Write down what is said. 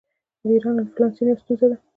د ایران انفلاسیون یوه ستونزه ده.